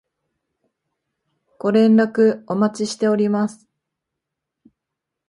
ご連絡お待ちしております